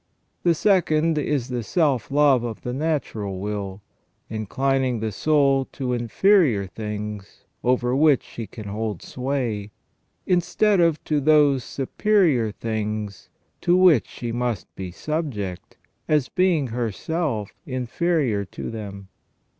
The second is the self love of the natural will, inclining the soul to inferior things, over which she can hold sway, instead of to those superior things to which she must be subject, as being herself inferior to them.